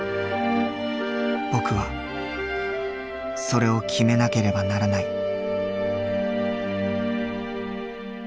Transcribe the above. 僕はそれを決めなければならない。